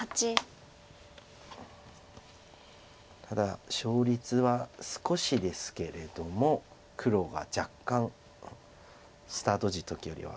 ただ勝率は少しですけれども黒が若干スタートの時よりは。